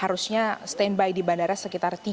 waktunya berdekatan ditambah lagi ada peraturan baru